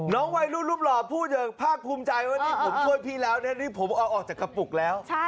น้องไวรูดรุ่บหล่อผู้เยิงภาคภูมิใจว่านี่ผมช่วยพี่แล้วนี่ผมเอาออกจากกระปุกแล้ว